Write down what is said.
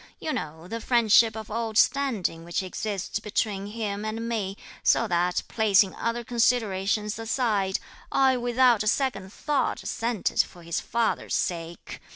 You know the friendship of old standing which exists between him and me, so that, placing other considerations aside, I without a second thought, assented for his father's sake.